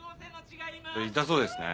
痛そうですね。